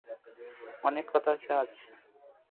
অনেক কথা হয়েছে আজ।